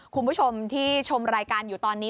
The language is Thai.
คุณผู้ชมที่ชมรายการอยู่ตอนนี้